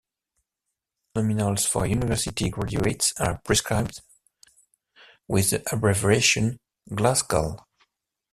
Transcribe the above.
The postnominals for university graduates are prescribed with the abbreviation "GlasCal".